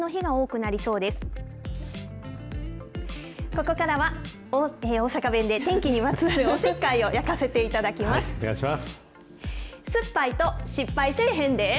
ここからは大阪弁で、天気にまつわるおせっかいをやかせていただきます。